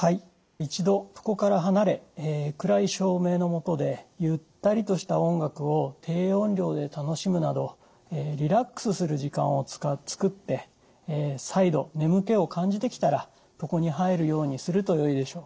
一度床から離れ暗い照明の下でゆったりとした音楽を低音量で楽しむなどリラックスする時間を作って再度眠気を感じてきたら床に入るようにするとよいでしょう。